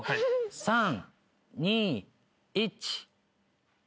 ３・２・１。